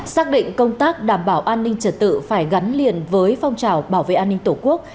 xác định công tác đảm bảo an ninh trật tự phải gắn liền với phong trào bảo vệ an ninh tổ quốc